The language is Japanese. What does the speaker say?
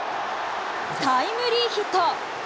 タイムリーヒット。